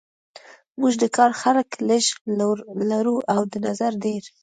موږ د کار خلک لږ لرو او د نظر ډیر